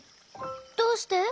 どうして？